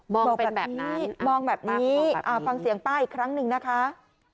องเป็นแบบนี้มองแบบนี้ฟังเสียงป้าอีกครั้งหนึ่งนะคะ